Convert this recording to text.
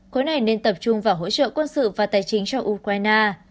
khối này nên tập trung vào hỗ trợ quân sự và tài chính cho ukraine